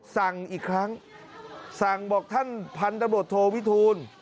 สั่งอีกครั้งสั่งบอกท่านพันธบทโทวิทูล